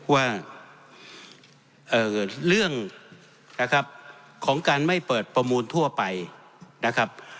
ว่าเรื่องนะครับของการไม่เปิดประมูลทั่วไปนะครับ